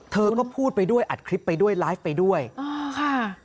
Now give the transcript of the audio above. เธอก็พูดไปด้วยอัดคลิปไปด้วยไลฟ์ไปด้วยอ๋อค่ะ